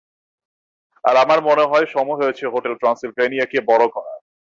আর আমার মনে হয়, সময় হয়েছে হোটেল ট্রান্সিল্ভানিয়াকে, বড় করার!